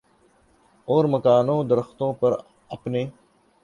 اور مکانوں درختوں پر اپنے